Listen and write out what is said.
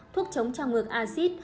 thuốc chống trang ngược azit